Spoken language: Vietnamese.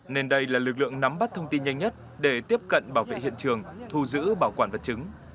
nên đây là lực lượng nắm bắt thông tin nhanh nhất để tiếp cận bảo vệ hiện trường thu giữ bảo quản vật chứng